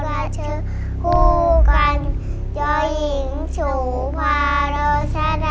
คุณยายแจ้วเลือกตอบจังหวัดนครราชสีมานะครับ